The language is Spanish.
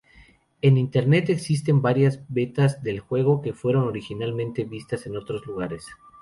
En Internet, existen varias betas del juego, que fueron originalmente vistas en otros lugares.